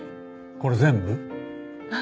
これ全部？